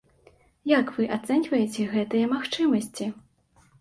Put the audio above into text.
Як вы ацэньваеце гэтыя магчымасці?